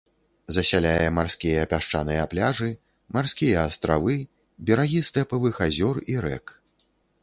Засяляе марскія пясчаныя пляжы, марскія астравы, берагі стэпавых азёр і рэк.